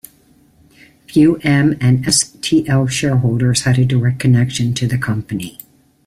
Few M and StL shareholders had a direct connection to the company.